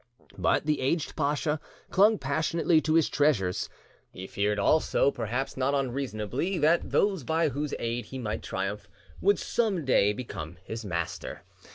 But the aged pacha clung passionately to his treasures. He feared also, perhaps not unreasonably, that those by whose aid he might triumph would some day become his master.